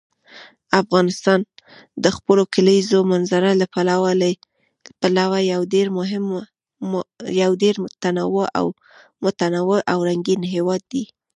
افغانستان د خپلو کلیزو منظره له پلوه یو ډېر متنوع او رنګین هېواد دی.